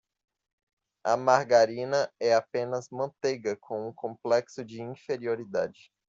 A margarina é apenas manteiga com um complexo de inferioridade.